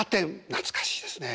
懐かしいですね。